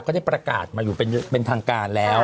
ก็ได้ประกาศมาอยู่เป็นทางการแล้ว